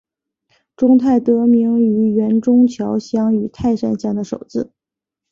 中泰得名于原中桥乡与泰山乡的首字。